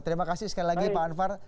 terima kasih sekali lagi pak anwar